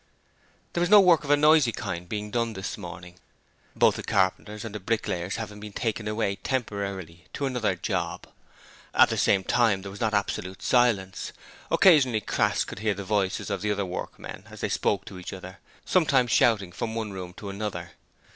There was no work of a noisy kind being done this morning. Both the carpenters and the bricklayers having been taken away, temporarily, to another 'job'. At the same time there was not absolute silence: occasionally Crass could hear the voices of the other workmen as they spoke to each other, sometimes shouting from one room to another.